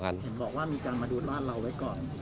เห็นบอกว่ามีการมาดูบ้านเราไว้ก่อน